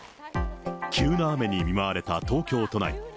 急な雨に見舞われた東京都内。